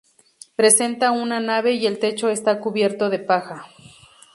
Presenta una nave y el techo está cubierto de paja.